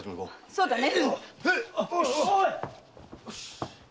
そうだね！